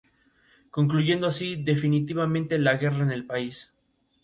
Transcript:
Concluyendo así definitivamente la guerra en el país.